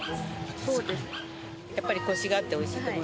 そうですね。